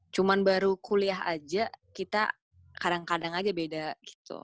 cuma baru kuliah aja kita kadang kadang aja beda gitu